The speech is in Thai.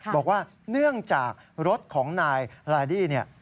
บอกว่าเนื่องจากรถของนายลาดี้เนี่ย